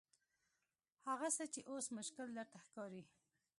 هغه څه چې اوس مشکل درته ښکاري.